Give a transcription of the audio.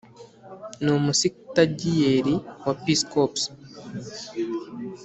ni umusitagiyeri wa peace corps.